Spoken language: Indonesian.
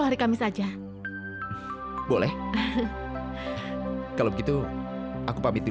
aku gak tahu mir